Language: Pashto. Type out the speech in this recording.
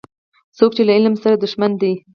څوک چي له علم سره دښمن دی